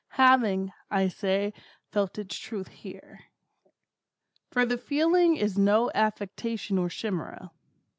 Having, I say, felt its truth here. For the feeling is no affectation or chimera.